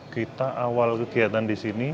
kita awal kegiatan di sini